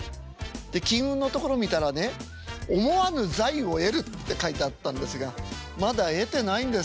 で金運のところ見たらね「思わぬ財を得る」って書いてあったんですがまだ得てないんです。